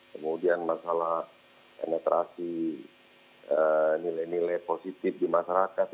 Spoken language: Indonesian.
kemudian masalah penetrasi nilai nilai positif di masyarakat